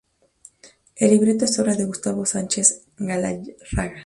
El libreto es obra de Gustavo Sánchez Galarraga.